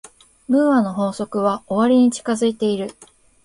ムーアの法則は終わりに近づいている。